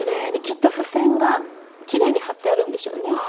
きっと付箋がきれいに貼ってあるんでしょうね。